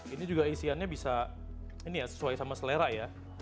ini juga isiannya bisa ini ya sesuai sama selera ya